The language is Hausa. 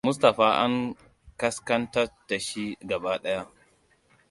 Mustapha an ƙasƙan tashi gaba ɗaya.